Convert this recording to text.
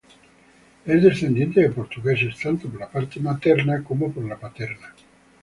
Es descendiente de portugueses tanto por la parte paterna como por la materna.